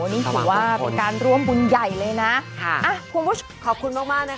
นี่คือว่าเป็นการรวมบุญใหญ่เลยนะอ่ะคุณบุ๊ชขอบคุณมากนะคะ